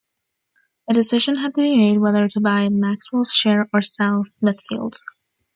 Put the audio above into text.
A decision had to be made whether to buy Maxwell's share or sell Smithfield's.